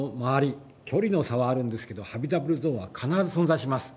距離の差はあるんですけどハビタブルゾーンは必ず存在します。